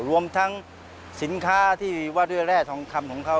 รวมทั้งสินค้าที่ว่าด้วยแร่ทองคำของเขา